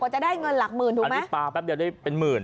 ว่าจะได้เงินหลักหมื่นเอาทิศปราบแป๊บเดียวได้เป็นหมื่น